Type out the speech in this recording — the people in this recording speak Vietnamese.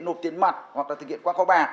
nộp tiền mặt hoặc là thực hiện qua kho bạc